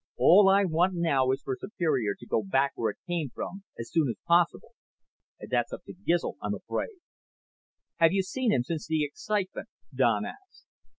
All I want now is for Superior to go back where it came from, as soon as possible. And that's up to Gizl, I'm afraid." "Have you seen him since the excitement?" Don asked.